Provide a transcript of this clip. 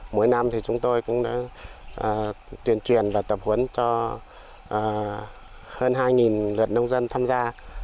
mỗi năm chúng tôi cũng đã tuyển truyền và tập huấn cho hơn hai lượt nông dân tham gia